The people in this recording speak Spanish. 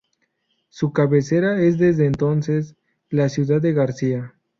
Su cabecera es desde entonces la ciudad de García.